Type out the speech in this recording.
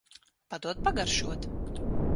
Padod pagaršot.